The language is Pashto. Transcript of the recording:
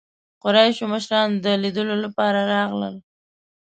قریشو مشران د لیدلو لپاره راغلل.